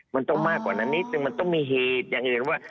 มันต้องมากกว่านั้นนิดนึงมันต้องมีเหตุอย่างอื่นว่า